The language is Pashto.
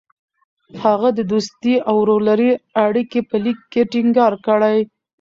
هغه د دوستۍ او ورورولۍ اړیکې په لیک کې ټینګار کړې.